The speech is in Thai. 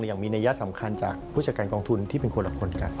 อย่างมีนัยสำคัญจากผู้จัดการกองทุนที่เป็นคนละคนกัน